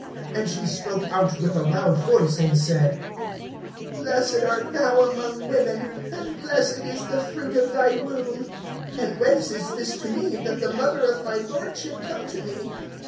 (42)And she spoke out with a loud voice and said: Blessed art thou among women, and blessed is the fruit of thy womb. (43)And whence is this to me, that the mother of my Lord should come to me?